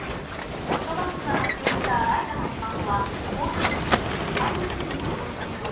ソフトバンクが発表したライカのスマホは高速通信・５Ｇに対応している他